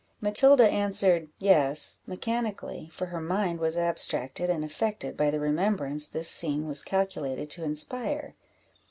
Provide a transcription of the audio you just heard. Matilda answered "yes," mechanically, for her mind was abstracted, and affected by the remembrance this scene was calculated to inspire.